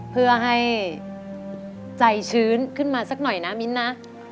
เพื่อให้ใจชื้นขึ้นมาสักหน่อยนะมิ้นนะ